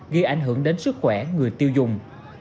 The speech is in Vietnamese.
ghi ảnh hưởng đến sức khỏe người tiêu dùng